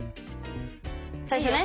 最初ね。